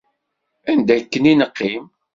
Anda akken i neqqim.